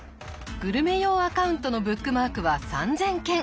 グルメ用アカウントのブックマークは３，０００件。